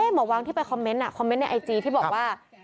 หมอวางที่ไปคอมเมนต์คอมเมนต์ในไอจีที่บอกว่า